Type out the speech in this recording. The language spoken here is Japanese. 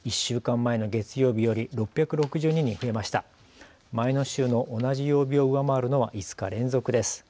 前の週の同じ曜日を上回るのは５日連続です。